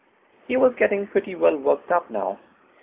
He was getting pretty well worked up now.